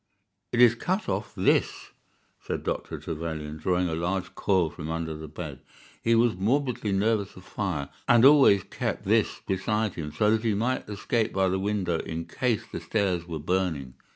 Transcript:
"It is cut off this," said Dr. Trevelyan, drawing a large coil from under the bed. "He was morbidly nervous of fire, and always kept this beside him, so that he might escape by the window in case the stairs were burning."